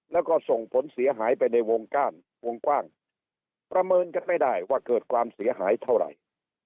แล้วก็ส่งผลเสียหายไปในวงก้านวงกว้างประเมินกันไม่ได้ว่าเกิดความเสียหายเท่าไหร่